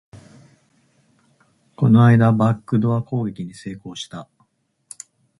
この間、バックドア攻撃に成功したんだ